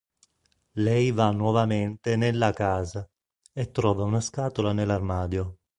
Lei va nuovamente nella casa e trova una scatola nell'armadio.